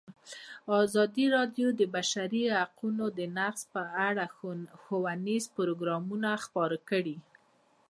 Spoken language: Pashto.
ازادي راډیو د د بشري حقونو نقض په اړه ښوونیز پروګرامونه خپاره کړي.